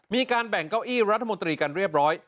มีการแบ่งเก้าอี้รัฐมนตรีกันเรียบร้อย